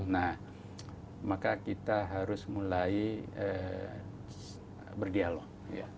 nah maka kita harus mulai berdialog